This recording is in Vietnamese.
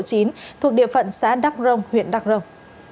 thuộc địa phận xã đắk rông huyện đắk rông